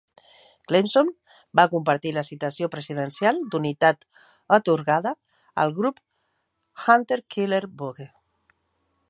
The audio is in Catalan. "Clemson" va compartir la Citació Presidencial d'Unitat atorgada al grup hunter-killer "Bogue".